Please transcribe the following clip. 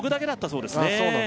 そうなんですね